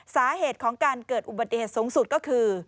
สาเหตุของการเกิดอุบัติเหตุสูงสุดก็คือ